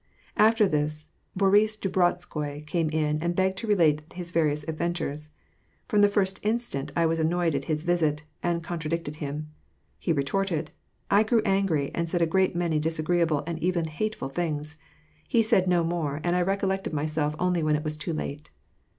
After this, Boris Drubetskoi came in and began to relate his various ail ventures." From the first instant, I was annoyed at his visit, and contradicted him. He retorted. I grew angry, and said a great many dis agreeable and even hateful things. He said no more, and I recollected myself only when it was too late.